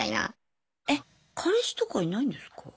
え彼氏とかいないんですか？